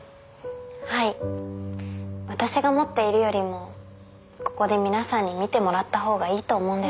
はい私が持っているよりもここで皆さんに見てもらった方がいいと思うんです。